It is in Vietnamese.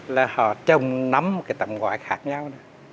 là họ trông nắm một cái tầm ngõi khác nhau